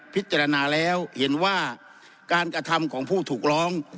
พิจารณาแล้วเห็นว่าการกระทำของผู้ถูกร้อง